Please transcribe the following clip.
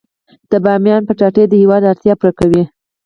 د بامیان کچالو د هیواد اړتیا پوره کوي